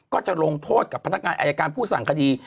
ก็จะลงโทษกับพนักงานอายการผู้สั่งคดี